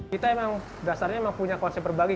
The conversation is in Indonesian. kita emang dasarnya memang punya konsep berbagi